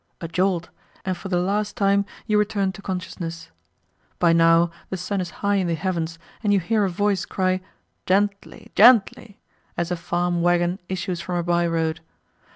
A jolt! and for the last time you return to consciousness. By now the sun is high in the heavens, and you hear a voice cry "gently, gently!" as a farm waggon issues from a by road.